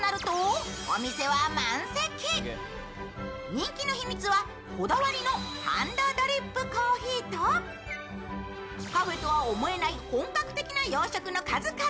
人気の秘密はこだわりのハンドドリップコーヒーとカフェとは思えない、本格的な洋食の数々。